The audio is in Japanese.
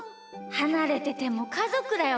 はなれててもかぞくだよね！